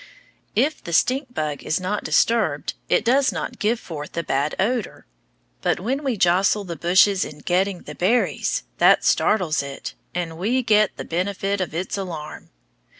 If the stink bug is not disturbed, it does not give forth the bad odor; but when we jostle the bushes in getting the berries, that startles it, and we get the benefit of its alarm.